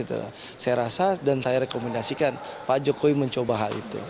saya rasa dan saya rekomendasikan pak jokowi mencoba hal itu